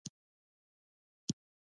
مصنوعي ځیرکتیا د کار وېش بدلوي.